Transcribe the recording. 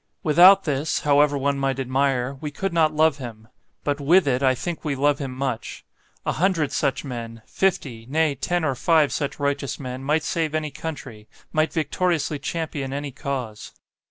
WITHOUT this, however one might admire, we could not love him; but WITH it I think we love him much. A hundred such men fifty nay, ten or five such righteous men might save any country; might victoriously champion any cause.